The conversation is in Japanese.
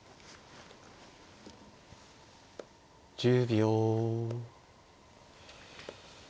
１０秒。